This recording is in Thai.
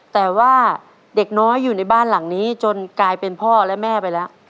แต่ว่าเด็กน้อยอยู่ในบ้านหลังนี้จนกลายเป็นพ่อและแม่ไปแล้ว